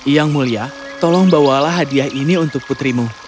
yang mulia tolong bawalah hadiah ini untuk putrimu